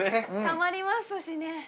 溜まりますしね。